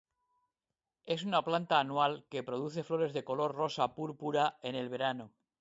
Es una planta anual que produce flores de color rosa-púrpura en el verano.